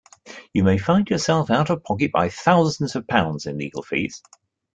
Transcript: You may find yourself out of pocket by thousands of pounds in legal fees.